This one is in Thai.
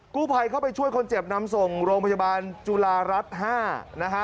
กู้ภัยเข้าไปช่วยคนเจ็บนำส่งโรงพยาบาลจุฬารัฐ๕นะฮะ